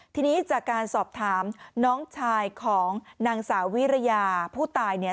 ทีนี้จากการสอบถามน้องชายของนางสาววิรยาผู้ตายเนี่ย